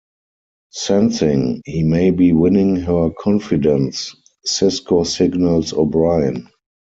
Sensing he may be winning her confidence, Sisko signals O'Brien.